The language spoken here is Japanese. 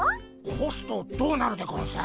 ほすとどうなるでゴンス？